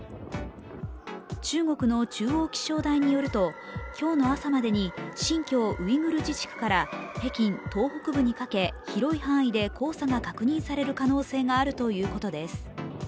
中国の中央気象台によると今日の朝までに新疆ウイグル自治区から北京、東北部にかけ広い範囲で黄砂が確認される可能性があるということです。